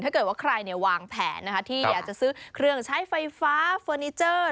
ถ้าเกิดว่าใครวางแผนที่อยากจะซื้อเครื่องใช้ไฟฟ้าเฟอร์นิเจอร์